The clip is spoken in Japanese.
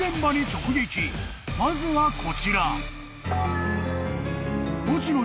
［まずはこちら］